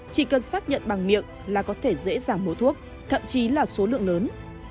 chỉ cần xác nhận bằng miệng là có thể dễ dàng mua thuốc thậm chí là số lượng lớn